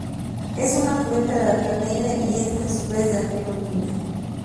Es un afluente del río Neira y este a su vez del río Miño.